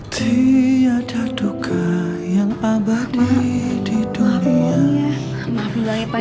tiada duka yang abadi di dunia